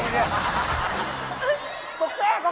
บอกแกรก